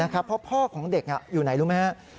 เพราะพ่อของเด็กอยู่ไหนรู้ไหมครับ